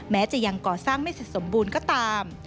แม้จะยังก่อสร้างไม่เสร็จสมบูรณ์ก็ตาม